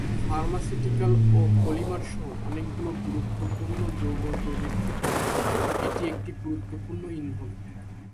Pharmaceuticals এবং polymer সহ অনেকগুলি গুরুত্বপূর্ণ যৌগ তৈরির ক্ষেত্রে এটি একটি গুরুত্বপূর্ণ ইন্ধন।